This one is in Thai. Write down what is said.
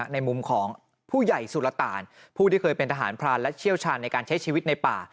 ในมุมของผู้ใหญ่สุรตานผู้ที่เคยเป็นทหารพรานและเชี่ยวชาญในการใช้ชีวิตในป่า